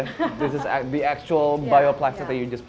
ini bioplastik yang sebenarnya kamu ambil